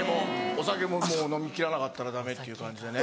お酒ももう飲み切らなかったらダメっていう感じでね。